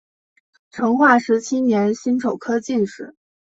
成化十七年辛丑科进士。